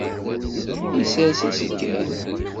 Isers aseggan.